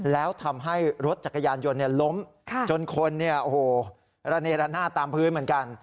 แล้วทำให้รถจักรยานยนต์ล้มจนคนเนี่ยโอ้โหระเนระนาดตามพื้นเหมือนกัน